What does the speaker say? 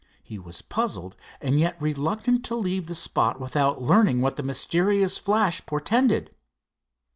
He was puzzled, and yet reluctant to leave the spot without learning what the mysterious flash portended.